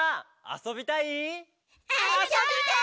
「あそびたい！」